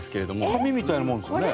紙みたいなもんですよね。